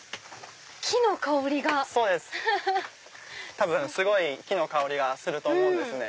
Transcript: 多分すごい木の香りがすると思うんですね。